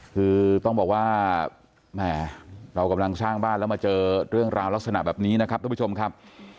คือต้องบอกว่าแหมเรากำลังสร้างบ้านแล้วมาเจอเรื่องราวลักษณะแบบนี้นะครับทุกผู้ชมครับ